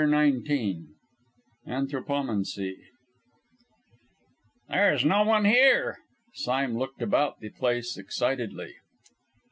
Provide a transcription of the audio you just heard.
CHAPTER XIX ANTHROPOMANCY "There is no one here!" Sime looked about the place excitedly.